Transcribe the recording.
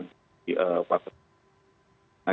nah kita tahu kan di keputusan pertama